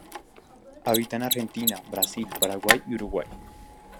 Habita en Argentina, Brasil, Paraguay y Uruguay.